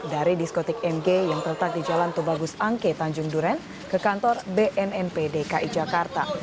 dari diskotik mg yang terletak di jalan tubagus angke tanjung duren ke kantor bnnp dki jakarta